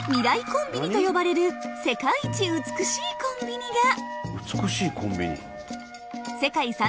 コンビニと呼ばれる世界一美しいコンビニが。